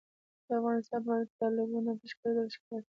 د افغانستان په منظره کې تالابونه په ښکاره ډول ښکاري.